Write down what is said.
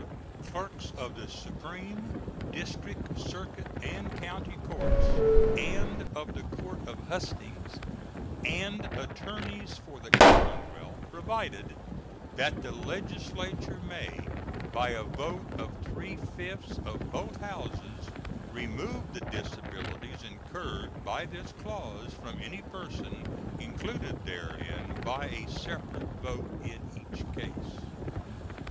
clerks of the supreme, district, circuit, and county courts and of the court of hustings, and attorneys for the Commonwealth: Provided, That the legislature may, by a vote of three fifths of both houses, remove the disabilities incurred by this clause from any person included therein, by a separate vote in each case.